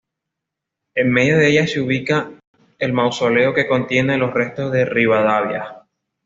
En medio de ella se ubica el mausoleo que contiene los restos de Rivadavia.